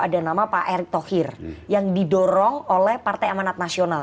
ada nama pak erick thohir yang didorong oleh partai amanat nasional